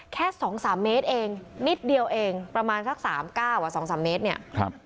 แค่๒๓เมตรเองนิดเดียวเองประมาณสัก๓ก้าว๒๓เมตรเนี่ย